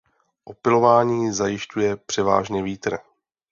Opylování zajišťuje převážně vítr.